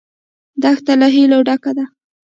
دښته له هیلو ډکه ده.